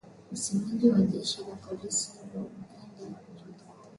msemaji wa jeshi la polisi nchini uganda judith